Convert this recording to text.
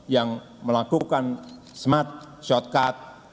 yang melakukan smart shortcut